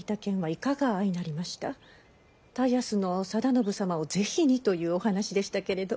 田安の定信様をぜひにというお話でしたけれど。